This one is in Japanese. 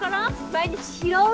毎日拾う！